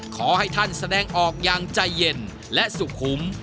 ขอให้ท่านแสดงออกอย่างใจเย็นและสุขุม